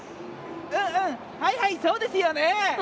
うん、はいはい、そうですよね。